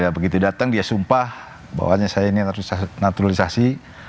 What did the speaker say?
begitu datang dia sumpah bahwanya saya ini harus naturalisasi